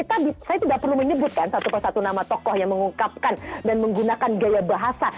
tadi saya tidak perlu menyebutkan satu persatu nama tokoh yang mengungkapkan dan menggunakan gaya bahasa